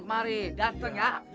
mari dateng ya